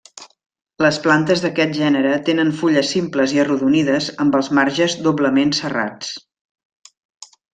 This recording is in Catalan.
Les plantes d'aquest gènere tenen fulles simples i arrodonides amb els marges doblement serrats.